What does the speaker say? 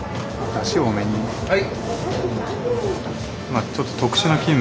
はい。